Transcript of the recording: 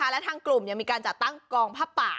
และทางกลุ่มยังมีการจัดตั้งกองผ้าป่า